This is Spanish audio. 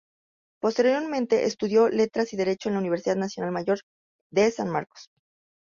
Posteriormente estudió Letras y Derecho en la Universidad Nacional Mayor de San Marcos.